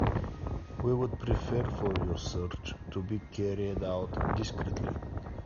We would prefer for your search to be carried out discreetly.